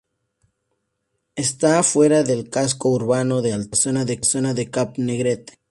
Está fuera del casco urbano de Altea, en la zona de Cap Negret.